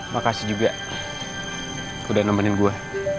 makasih juga udah nemenin gue